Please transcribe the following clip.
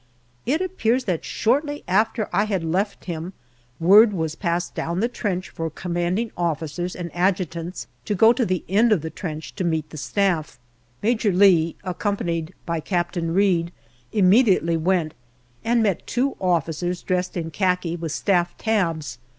It appears that shortly after I had left him, word was passed down the trench for C.O.'s and Adjutants to go to the end of the trench to 68 GALLIPOLI DIARY meet the Staff. Major Lee, accompanied by Captain Reid, immediately went, and met two officers dressed in khaki with Staff tabs.